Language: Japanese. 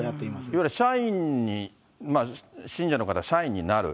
いわゆる社員に、信者の方、社員になる。